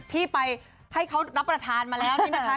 ที่ไปให้เขารับประทานมาแล้วนี่นะคะ